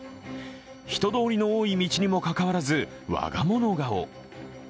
人通りの多い道にもかかわらず我が物顔。